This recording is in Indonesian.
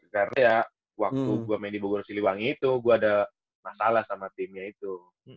karena ya waktu gua main di bogor siliwangi itu gua ada masalah sama timnya itu